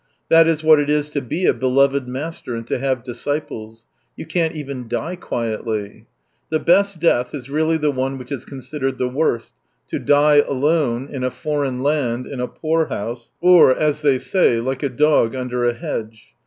That is what it is to be a beloved master, and to have disciples. You can't even die quietly. ... The best death is really the one which is considered the worst : to die alone, in a foreign land, in a poor house, or, as they say, like a dog under a hedge.